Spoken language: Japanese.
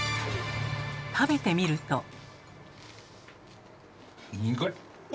食べてみると。